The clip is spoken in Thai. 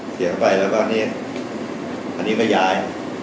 เสียเข้าไปแล้วก็นี่อันนี้ก็ย้าย